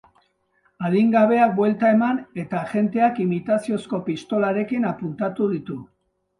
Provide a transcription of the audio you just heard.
Adingabeak buelta eman eta agenteak imitaziozko pistolarekin apuntatu ditu.